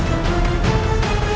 tidak ada yang bisa diberi